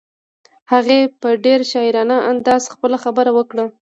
هغې په ډېر شاعرانه انداز خپله خبره وکړه.